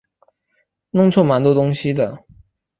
弄错蛮多东西的